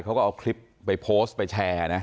เขาก็เอาคลิปไปโพสต์ไปแชร์นะ